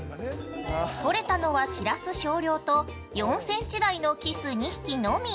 ◆取れたのは、シラス少量と４センチ台のキス２匹のみ。